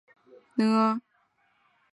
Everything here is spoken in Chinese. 会不会改变他们呢？